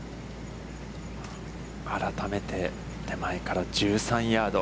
改めて、手前から１３ヤード。